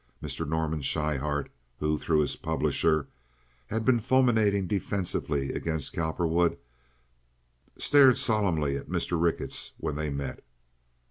Mr. Norman Schryhart, who, through his publisher, had been fulminating defensively against Cowperwood, stared solemnly at Mr. Ricketts when they met.